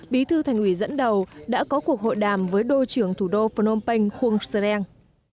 bí thư thành ủy dẫn đầu đã có cuộc hội đàm với đô trưởng thủ đô phnom penh khuâng sereng